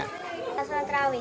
kita sholat terawih